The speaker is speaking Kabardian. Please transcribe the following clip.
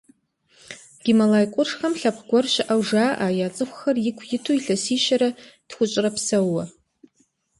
Гималай къуршхэм лъэпкъ гуэр щыӏэу жаӏэ, я цӏыхухэр ику иту илъэсищэрэ тхущӏрэ псэууэ.